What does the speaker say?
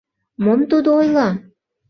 — Мом тудо ойла?